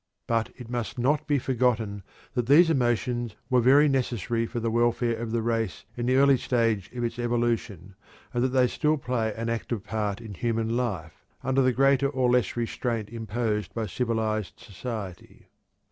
But it must not be forgotten that these emotions were very necessary for the welfare of the race in the early stage of its evolution, and that they still play an active part in human life, under the greater or less restraint imposed by civilized society.